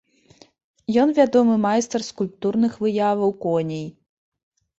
Ён вядомы майстар скульптурных выяваў коней.